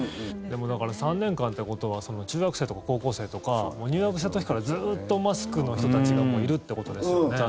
だから３年間ってことは中学生とか高校生とか入学した時からずっとマスクの人たちがいるってことですよね。